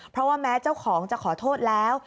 เพราะว่าแม้เจ้าของจะขอโทษแล้ว